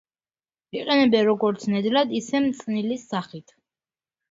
იყენებენ როგორც ნედლად, ისე მწნილის სახით.